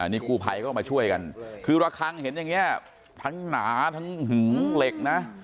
นี่กู้ภัยก็มาช่วยกันคือระคังเห็นอย่างนี้ทั้งหนาทั้งหึงเหล็กนะ